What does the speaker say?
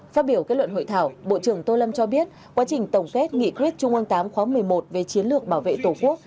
phát biểu kết luận hội thảo bộ trưởng tô lâm cho biết quá trình tổng kết nghị quyết trung ương tám khóa một mươi một về chiến lược bảo vệ tổ quốc